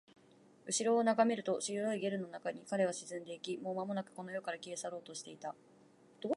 後ろを眺めると、白いゲルの中に彼は沈んでいき、もうまもなくこの世から消え去ろうとしていた